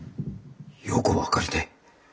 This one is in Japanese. よくお分かりで。